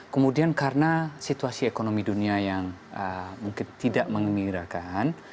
kemudian karena situasi ekonomi dunia yang mungkin tidak mengirakan